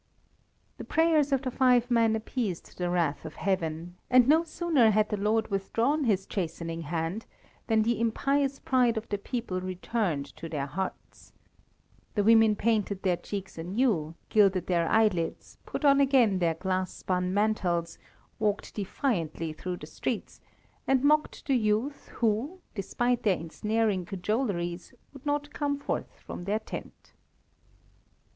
The prayers of the five men appeased the wrath of heaven, and no sooner had the Lord withdrawn His chastening hand, than the impious pride of the people returned to their hearts. The women painted their cheeks anew, gilded their eyelids, put on again their glass spun mantles, walked defiantly through the streets, and mocked the youth who, despite their ensnaring cajoleries, would not come forth from their tent.